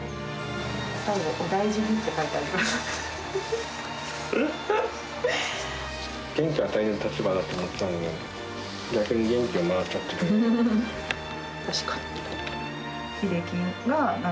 最後、お大事にって書いてある。